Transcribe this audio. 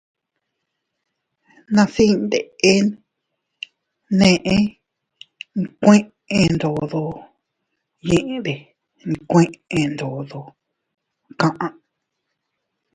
Nas iyndes eʼenne, kuendogde kuendogde kaʼa.